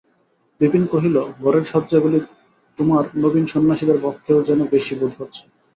বিপিন কহিল, ঘরের সজ্জাগুলি তোমার নবীন সন্ন্যাসীদের পক্ষেও যেন বেশি বোধ হচ্ছে।